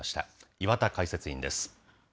岩田解説委員です。